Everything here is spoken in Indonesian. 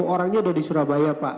sepuluh orangnya udah di surabaya pak